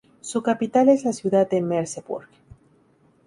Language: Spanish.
Su capital es la ciudad de Merseburg.